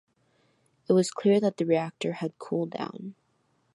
It was clear that the reactor had cool down.